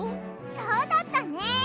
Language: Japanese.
そうだったね。